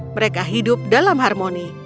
mereka hidup dalam harmoni